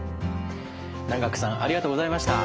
南學さんありがとうございました。